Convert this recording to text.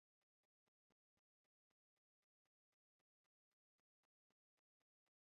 Hapo majaribio ya kulinganisha na kusafisha wakati yalitokea.